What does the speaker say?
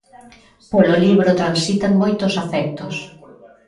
Polo libro transitan moitos afectos.